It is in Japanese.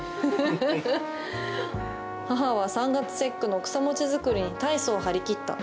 「母は三月節句の草餅づくりにたいそう張り切った」